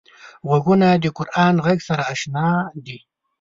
غوږونه د قران غږ سره اشنا دي